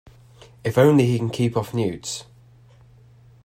If only he can keep off newts.